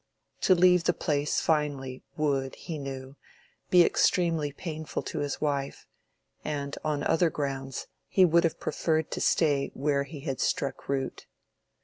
To leave the place finally would, he knew, be extremely painful to his wife, and on other grounds he would have preferred to stay where he had struck root.